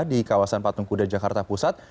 di kawasan patung kuda jakarta pusat